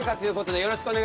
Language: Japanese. よろしくお願いします。